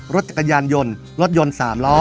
รถจักรยานยนต์รถยนต์๓ล้อ